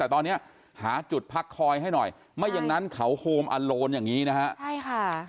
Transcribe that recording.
แต่ตอนนี้หาจุดพักคอยให้หน่อยไม่อย่างนั้นเขาโฮมอัลโลนอย่างนี้นะฮะใช่ค่ะ